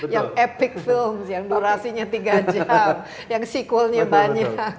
yang epic films yang durasinya tiga jam yang sequelnya banyak